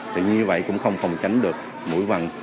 thì như vậy cũng không phòng tránh được mũi vằn